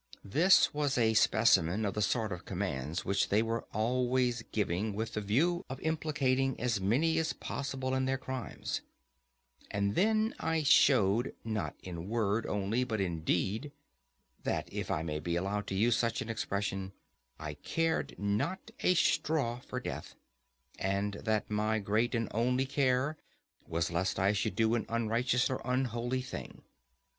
This was a specimen of the sort of commands which they were always giving with the view of implicating as many as possible in their crimes; and then I showed, not in word only but in deed, that, if I may be allowed to use such an expression, I cared not a straw for death, and that my great and only care was lest I should do an unrighteous or unholy thing.